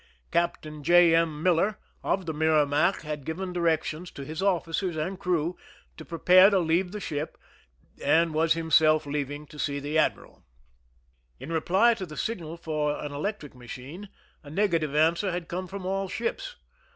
Captain J. M. Miller of the Merrimac had given direc tions to his officers and crew to prepare to leave the ship, and was himself leaving to see the admiral. In reply to the signal for an electric machine, a negative answer had come from all ships.